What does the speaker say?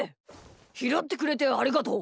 ひろってくれてありがとう。